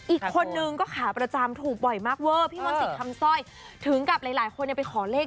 อีกคนนึงก็ขาประจำถูกบ่อยมากเวอร์พี่มนต์สิทธิ์คำสร้อยถึงกับหลายคนเนี่ยไปขอเลข